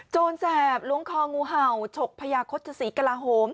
โจรแซบล้วงคองู้เห่าฉกพระยาคชษฌีใกล้โหม